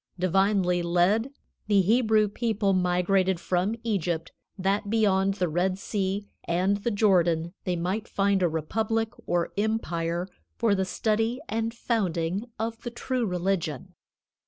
Divinely led, the Hebrew people migrated from Egypt that beyond the Red Sea and the Jordan they might found a republic or empire for the study and founding of the true religion.